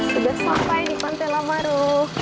sudah sampai di pantai lamaru